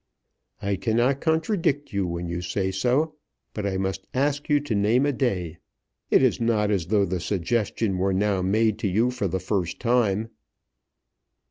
"I cannot contradict you when you say so, but I must ask you to name a day. It is not as though the suggestion were now made to you for the first time."